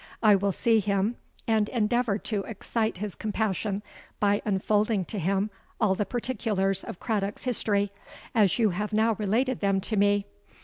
I will see him, and endeavour to excite his compassion by unfolding to him all the particulars of Craddock's history, as you have now related them to me.